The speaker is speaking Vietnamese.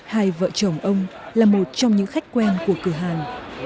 hai vợ chồng ông là một trong những khách quen của cửa hàng